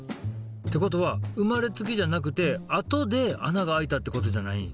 てことは生まれつきじゃなくて後で穴が開いたってことじゃないん？